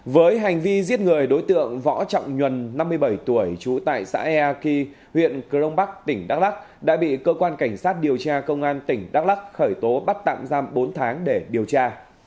với hành vi giết người đối tượng võ trọng nhuần năm mươi bảy tuổi trú tại xã eaki huyện crong bắc tỉnh đắk lắc đã bị cơ quan cảnh sát điều tra công an tỉnh đắk lắc khởi tố bắt tạm giam bốn tháng để điều tra